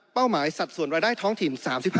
หมายสัดส่วนรายได้ท้องถิ่น๓๕